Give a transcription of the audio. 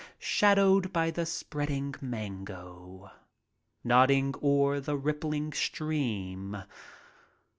Shadowed by the spreading mango Nodding o'er the rippling stream.